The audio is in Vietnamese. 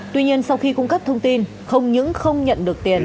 tuy nhiên sau khi cung cấp thông tin không những không nhận được tiền